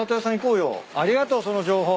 ありがとその情報。